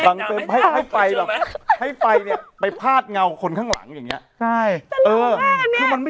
บังเฟรมให้ไฟแบบให้ไปเนี้ยไปภาษณ์เงาของคนข้างหลังอย่างเงี้ยใช่